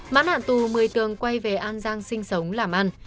mãn hạn tù một mươi tường quay về an giang sinh sống làm ăn